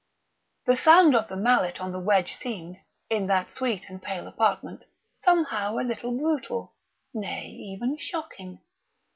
The sound of the mallet on the wedge seemed, in that sweet and pale apartment, somehow a little brutal nay, even shocking.